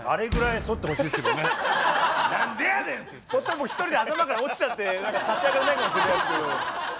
そしたらもう一人で頭から落ちちゃって立ち上がれないかもしれないですけど。